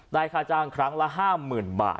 ค่าจ้างครั้งละ๕๐๐๐บาท